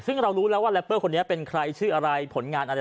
ซึ่งเรารู้แล้วว่าแรปเปอร์คนนี้เป็นใครชื่ออะไรผลงานอะไร